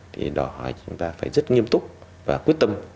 thì chúng ta phải rất nghiêm túc và quyết tâm